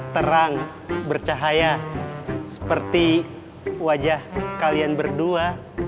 terang bercahaya seperti wajah kalian berdua